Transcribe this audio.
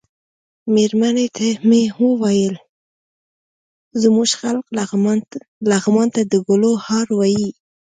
مېرمنې ته مې ویل زموږ خلک لغمان ته د ګلو هار وايي.